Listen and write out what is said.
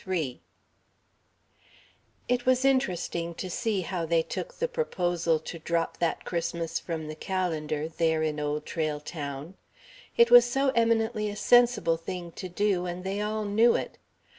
III It was interesting to see how they took the proposal to drop that Christmas from the calendar there in Old Trail Town. It was so eminently a sensible thing to do, and they all knew it.